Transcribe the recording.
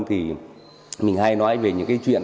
thì mình hay nói về những cái chuyện